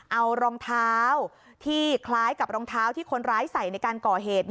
เอารองเท้าที่คล้ายกับรองเท้าที่คนร้ายใส่ในการก่อเหตุ